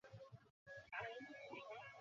নিজেকে অনেক বড় কিছু ভাবিস?